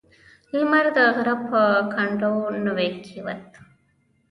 لمر د غره په کنډو نوی کېوت.